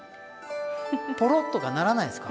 ポロッとかならないんですか？